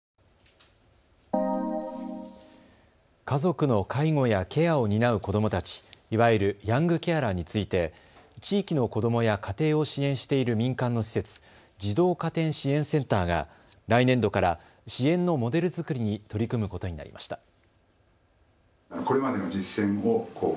家族の介護やケアを担う子どもたち、いわゆるヤングケアラーについて地域の子どもや家庭を支援している民間の施設、児童家庭支援センターが来年度から支援のモデル作りに取り組むことになりました。